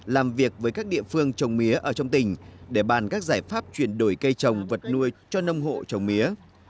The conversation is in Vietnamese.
làm việc với các địa phương trồng mía ở trong tỉnh để bàn các giải pháp chuyển đổi cây trồng vật nuôi cho nông hộ trồng mía